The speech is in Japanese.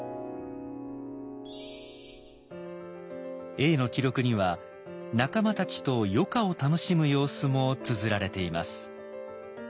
英の記録には仲間たちと余暇を楽しむ様子もつづられています。